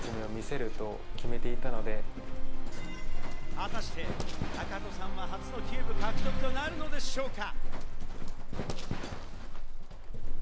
果たして、タカトさんは初のキューブ獲得となるのでしょうか？